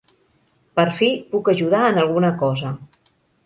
Per fi puc ajudar en alguna cosa.